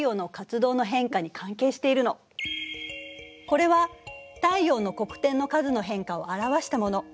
これは太陽の黒点の数の変化を表したもの。